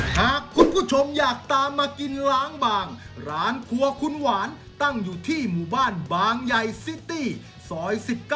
หากคุณผู้ชมอยากตามมากินล้างบางร้านครัวคุณหวานตั้งอยู่ที่หมู่บ้านบางใหญ่ซิตี้ซอย๑๙